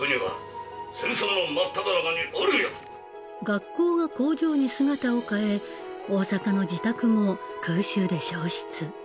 学校が工場に姿を変え大阪の自宅も空襲で焼失。